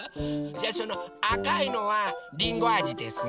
じゃあそのあかいのはりんごあじですね？